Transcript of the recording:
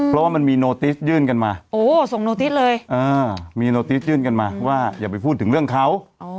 เพราะว่ามันมีโนติสยื่นกันมาโอ้ส่งโนติสเลยมีโนติสยื่นกันมาว่าอย่าไปพูดถึงเรื่องเขา